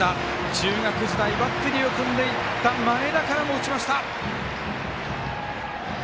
中学時代バッテリーを組んでいた前田からも打ちました。